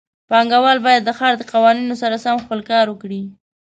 پانګهوال باید د ښار د قوانینو سره سم خپل کار وکړي.